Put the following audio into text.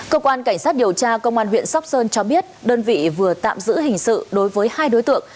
cơ quan cảnh sát điều tra công an huyện sóc sơn cho biết đơn vị vừa tạm giữ hình sự đối với hai đối tượng